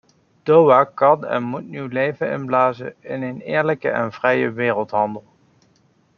Doha kan en moet nieuw leven inblazen in een eerlijke en vrije wereldhandel.